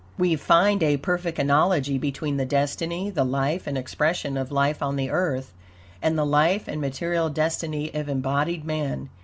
We find a perfect analogy between the destiny, the life, and expression of life on the Earth, and the life and material destiny of embodied man.